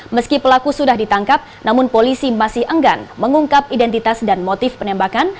meski pelaku sudah ditangkap namun polisi masih enggan mengungkap identitas dan motif penembakan